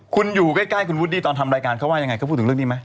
คุณอยู่ใกล้ครูวูดดีตอนทำรายการเขาว่ายังไง